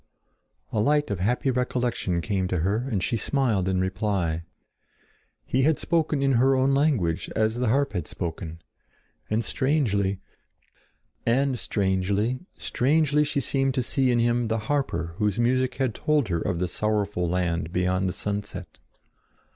A light of happy recollection came to her and she smiled in reply. He had spoken in her own language as the harp had spoken, and strangely, strangely she seemed to see in him the harper whose music had told her of the sorrowful land beyond the sunset.